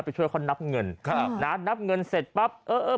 ไปช่วยเขานับเงินครับนะนับเงินเสร็จปั๊บเออเออ